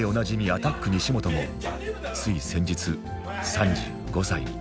アタック西本もつい先日３５歳に